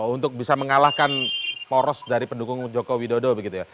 untuk bisa mengalahkan poros dari pendukung joko widodo begitu ya